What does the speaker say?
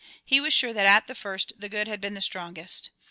He was sure that at the first the good had been the strongest.